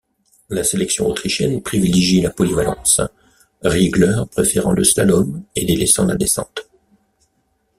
La sélection autrichienne privilégie la polyvalence, Riegler préférant le slalom et délaissant la descente.